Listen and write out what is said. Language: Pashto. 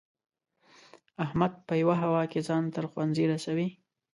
احمد په یوه هوا کې ځان تر ښوونځي رسوي.